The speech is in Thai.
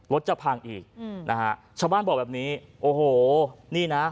รถจะพังอีกนะฮะชาวบ้านบอกแบบนี้โอ้โหนี่นะ